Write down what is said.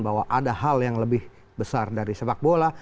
bahwa ada hal yang lebih besar dari sepak bola